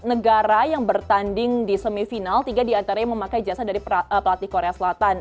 tiga negara yang bertanding di semifinal tiga di antaranya yang memakai jasa dari pelatih korea selatan